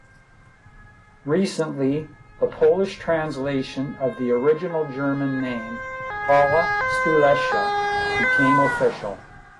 Recently the Polish translation of the original German name, "Hala Stulecia", became official.